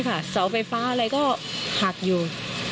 เสาไฟฟ้าอะไรก็หักอยู่